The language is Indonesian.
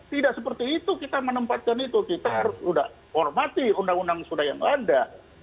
tidak seperti itu kita menempatkan itu kita harus sudah hormati undang undang sudah yang ada